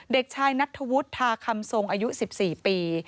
เด็กชายนัทธวุฒิทาคำทรงอายุ๑๔ปี